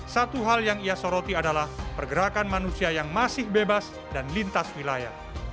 satu hal yang ia soroti adalah pergerakan manusia yang masih bebas dan lintas wilayah